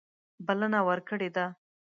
بلنه ورکړې ده.